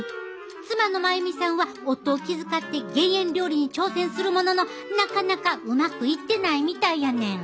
妻の真由美さんは夫を気遣って減塩料理に挑戦するもののなかなかうまくいってないみたいやねん。